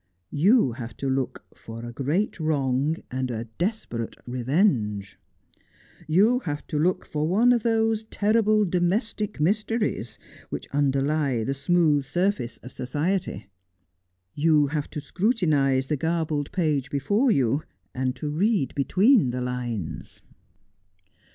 You have to look for a great wrong and a desperate revenge. You have to look for one of those terrible domestic mysteries which underlie the smooth surface of society. You have to scrutinize the garbled page before you and to read between the lines.